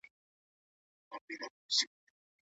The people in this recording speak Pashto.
هغه دا مهال خپلو والدينو ته خدمت کوي.